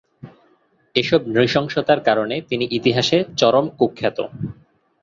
এসব নৃশংসতার কারণে তিনি ইতিহাসে চরম কুখ্যাত।